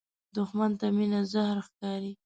دښمن ته مینه زهر ښکاري